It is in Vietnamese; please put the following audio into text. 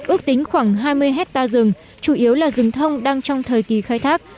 ước tính khoảng hai mươi hectare rừng chủ yếu là rừng thông đang trong thời kỳ khai thác